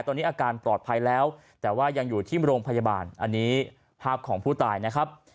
ตอนนี้อาการปลอดภัยแล้วแต่ว่ายังอยู่ที่โรงพยาบาลอันนี้ภาพของผู้ตายนะครับ